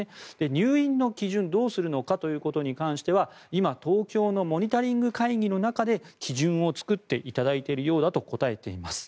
入院の基準をどうするのかということに関しては今、東京のモニタリング会議の中で基準を作っていただいているようだと答えています。